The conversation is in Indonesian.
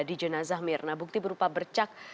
di jenazah mirna bukti berupa bercak